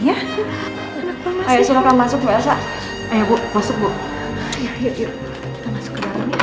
yuk yuk yuk